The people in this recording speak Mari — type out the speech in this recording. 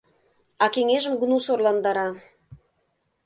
А кеҥежым гнус орландара.